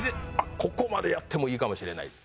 ここまでやってもいいかもしれない。